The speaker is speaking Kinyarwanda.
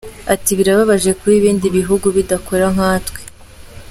Ati “Birababaje kuba ibindi bihugu bidakora nkatwe.